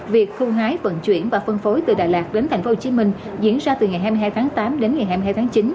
việc khu hái vận chuyển và phân phối từ đà lạt đến thành phố hồ chí minh diễn ra từ ngày hai mươi hai tháng tám đến ngày hai mươi hai tháng chín